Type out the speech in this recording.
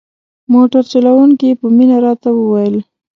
موټر چلوونکي په مینه راته وویل.